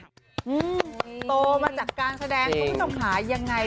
โตมาจากการแสดงพวกคุณอมหายังไง